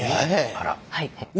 あら。